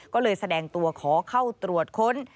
ก็เลยแสดงตัวขอเข้าตรวจค้น